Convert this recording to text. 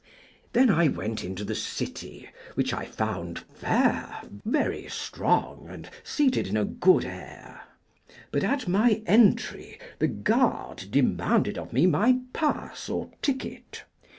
Then I went into the city, which I found fair, very strong, and seated in a good air; but at my entry the guard demanded of me my pass or ticket.